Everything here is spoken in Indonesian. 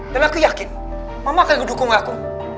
dan aku yakin mama akan mendukung aku